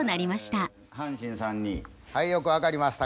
はいよく分かりました。